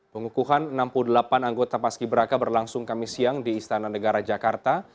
pengukuhan enam puluh delapan anggota paski beraka berlangsung kami siang di istana negara jakarta